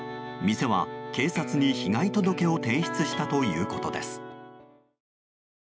店は警察に被害届を提出したということです。